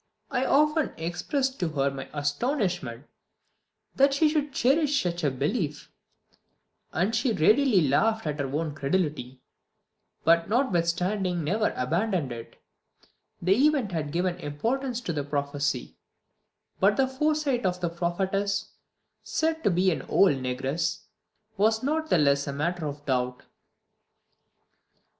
I often expressed to her my astonishment that she should cherish such a belief, and she readily laughed at her own credulity; but notwithstanding never abandoned it: The event had given importance to the prophecy; but the foresight of the prophetess, said to be an old negress, was not the less a matter of doubt.